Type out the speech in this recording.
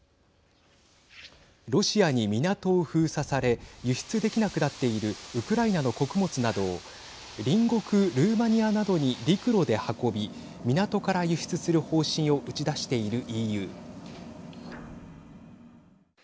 ロシアに港を封鎖され輸出できなくなっているウクライナの穀物などを隣国ルーマニアなどに陸路で運び港から輸出する方針を打ち出しているＥＵ。